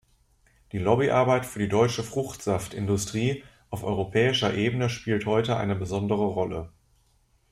Die Lobby-Arbeit für die deutsche Fruchtsaft-Industrie auf europäischer Ebene spielt heute eine besondere Rolle.